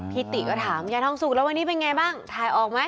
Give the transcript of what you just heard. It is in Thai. พี่ติก็ถามยายท้องสุกวันนี้เป็นไงบ้างทายออกมั้ย